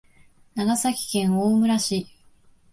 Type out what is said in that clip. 長崎県大村市